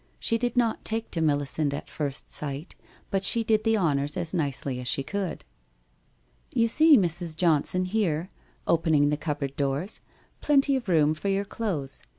She did not take to Melisande at first sight, but she did the honours as nicely as she could. * You see, Mrs. Johnson, here '— opening cupboard doors —' plenty of room for your clothes.